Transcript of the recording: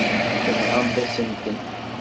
Tenɣamt-asen-ten.